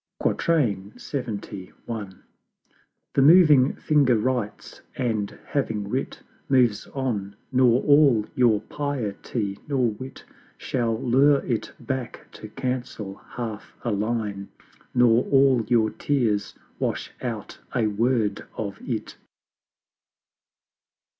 LXXI. The Moving Finger writes; and, having writ, Moves on: nor all your Piety nor Wit Shall lure it back to cancel half a Line, Nor all your Tears wash out a Word of it.